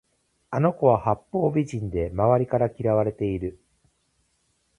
あの子は八方美人で周りから嫌われている